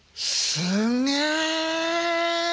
すんげえ。